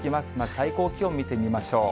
最高気温見てみましょう。